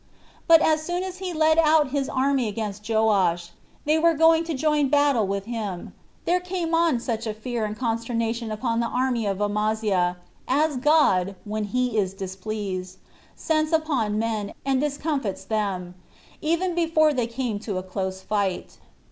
But as soon as he led out his army against Joash, and they were going to join battle with him, there came such a fear and consternation upon the army of Amaziah, as God, when he is displeased, sends upon men, and discomfited them, even before they came to a close fight.